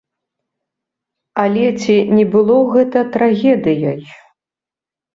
Але ці не было гэта трагедыяй?